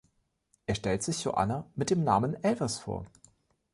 Er stellt sich Joanna mit dem Namen Elvis vor.